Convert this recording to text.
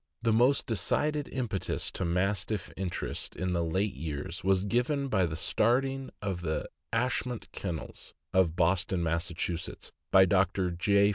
The most decided impetus to Mastiff interests of late years was given by the starting of the Ashmont Kennels, of Boston, Mass., by Dr. J.